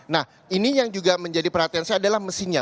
nah ini yang juga menjadi perhatian saya adalah mesinnya